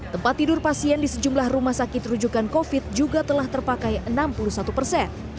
tempat tidur pasien di sejumlah rumah sakit rujukan covid juga telah terpakai enam puluh satu persen